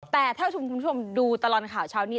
แต่ถ้าคุณผู้ชมดูตลอดข่าวเช้านี้